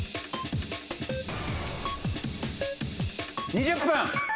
２０分！